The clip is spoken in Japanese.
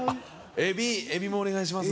えびもお願いします